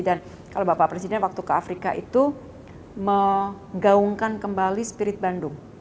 dan kalau bapak presiden waktu ke afrika itu menggaungkan kembali spirit bandung